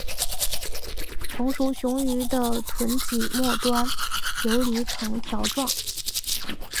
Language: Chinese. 成熟雄鱼的臀鳍末端游离呈条状。